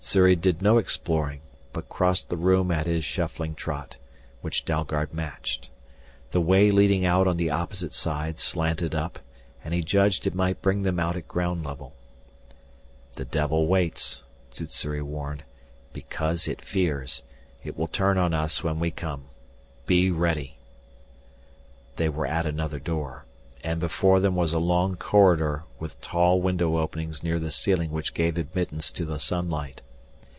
Sssuri did no exploring but crossed the room at his shuffling trot, which Dalgard matched. The way leading out on the opposite side slanted up, and he judged it might bring them out at ground level. "The devil waits," Sssuri warned, "because it fears. It will turn on us when we come. Be ready " They were at another door, and before them was a long corridor with tall window openings near the ceiling which gave admittance to the sunlight.